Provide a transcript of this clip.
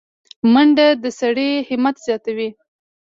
منډه د سړي همت زیاتوي